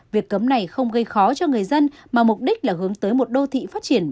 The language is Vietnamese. việc cấm này không gây khó cho người dân mà mục đích là hướng tới một đô thị phát triển